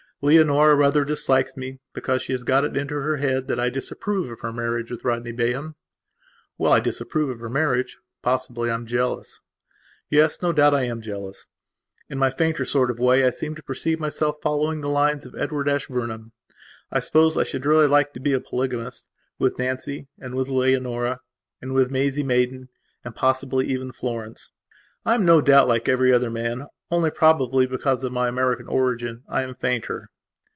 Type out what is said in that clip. Leonora rather dislikes me, because she has got it into her head that I disapprove of her marriage with Rodney Bayham. Well, I disapprove of her marriage. Possibly I am jealous. Yes, no doubt I am jealous. In my fainter sort of way I seem to perceive myself following the lines of Edward Ashburnham. I suppose that I should really like to be a polygamist; with Nancy, and with Leonora, and with Maisie Maidan and possibly even with Florence. I am no doubt like every other man; only, probably because of my American origin I am fainter.